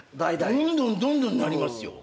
どんどんどんどんなりますよ。